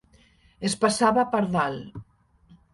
Es passava per dalt.